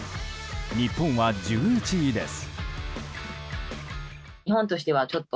日本は１１位です。